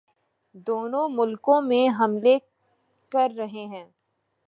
دونوں ملکوں میں حملے کررہے ہیں